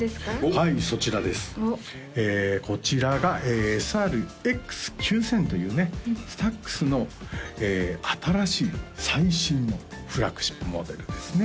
はいそちらですおっこちらがＳＲ−Ｘ９０００というねＳＴＡＸの新しい最新のフラッグシップモデルですね